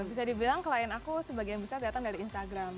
bisa dibilang klien aku sebagian besar datang dari instagram